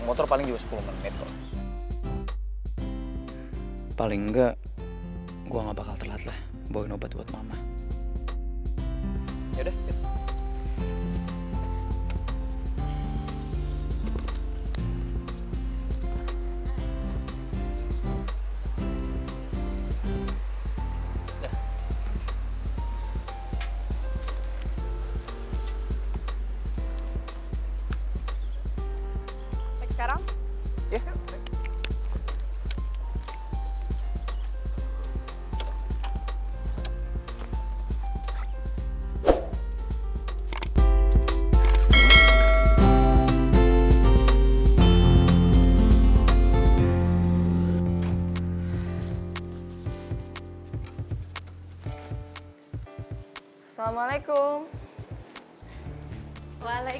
motor paling sepuluh menit paling enggak gua nggak bakal terlalu banyak obat obat mama ya udah